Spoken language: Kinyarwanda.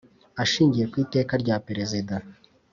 Ashingiye ku iteka rya Perezida